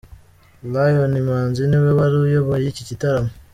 Lion Imanzi niwe wari uyoboye iki gitaramo.